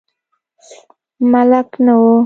ملک نه و.